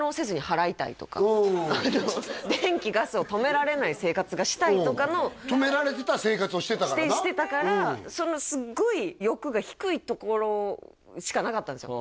やりたいこととかしたいことっていうのが止められてた生活をしてたからなしてたからそのすっごい欲が低いところしかなかったんですよ